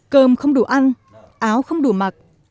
cơm không đủ ăn áo không đủ mặc